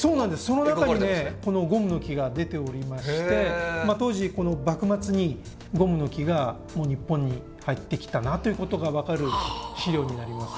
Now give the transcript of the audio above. その中にねこのゴムノキが出ておりまして当時この幕末にゴムノキがもう日本に入ってきたなという事が分かる資料になります。